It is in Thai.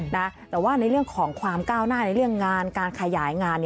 แต่ว่าในเรื่องของความก้าวหน้าในเรื่องงานการขยายงาน